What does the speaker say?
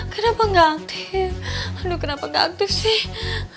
kenapa nggak aktif aduh kenapa gak aktif sih